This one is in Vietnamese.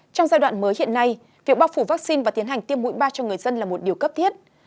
trong giai đoạn mới hiện nay việc bao phủ vaccine và tiến hành tiêm mũi ba cho người dân là một điều cấp thiết